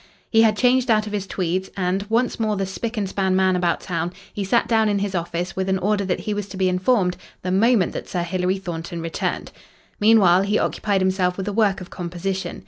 He had changed out of his tweeds and, once more the spick and span man about town, he sat down in his office with an order that he was to be informed the moment that Sir Hilary Thornton returned. Meanwhile, he occupied himself with a work of composition.